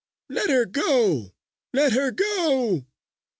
"Let her go! Let her go!"